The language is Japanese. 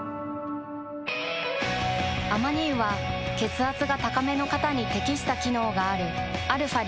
アマニ油は血圧が高めの方に適した機能があるαー